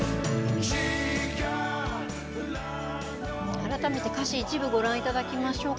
改めて、歌詞一部ご覧いただきましょうか。